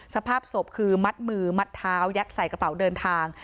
สภาพศพคือมัดมือมัดเท้ายัดใส่กระเป๋าเดินทาง